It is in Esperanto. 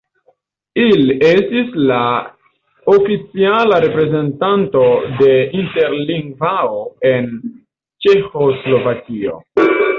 Il estis la oficiala reprezentanto de Interlingvao en Ĉeĥoslovakio.